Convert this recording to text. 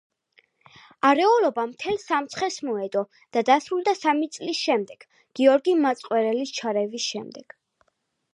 არეულობა მთელს სამცხეს მოედო და დასრულდა სამი წლის შემდეგ გიორგი მაწყვერელის ჩარევის შემდეგ.